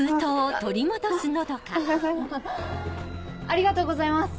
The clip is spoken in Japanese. ありがとうございます。